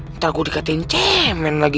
ntar gue dikatin cemen lagi